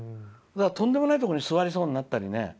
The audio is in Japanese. とんでもないところに座りそうになったりね